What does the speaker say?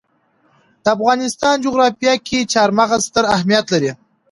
د افغانستان جغرافیه کې چار مغز ستر اهمیت لري.